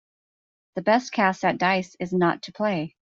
The best cast at dice is not to play.